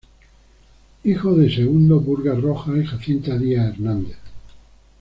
Hijo de Segundo Burga Rojas y Jacinta Díaz Hernández.